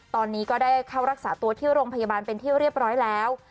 ตอนนี้ก็ได้เข้ารักษาตัวที่โรงพยาบาลเป็นที่เรียบร้อยแล้ว